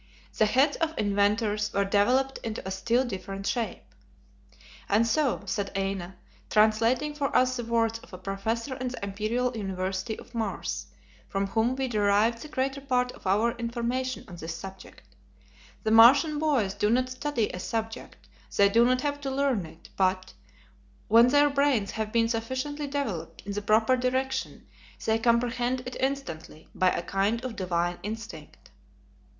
The heads of inventors were developed into a still different shape. "And so," said Aina, translating for us the words of a professor in the Imperial University of Mars, from whom we derived the greater part of our information on this subject, "the Martian boys do not study a subject; they do not have to learn it, but, when their brains have been sufficiently developed in the proper direction, they comprehend it instantly, by a kind of divine instinct."